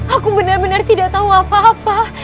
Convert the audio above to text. aku benar benar tidak tahu apa apa